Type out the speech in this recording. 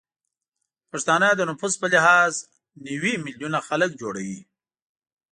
پښتانه د نفوس به لحاظ نوې میلیونه خلک جوړوي